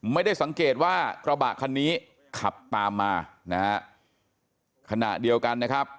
ไม่ได้สังเกตว่ากระบะคันนี้ขับตามมานะฮะขณะเดียวกันนะครับ